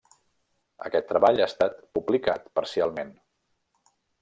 Aquest treball ha estat publicat parcialment.